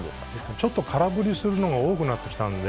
ちょっと空振りが多くなってきたので。